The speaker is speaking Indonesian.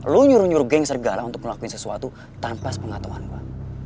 lo nyuruh nyuruh geng sergala untuk ngelakuin sesuatu tanpa sepengatungan gue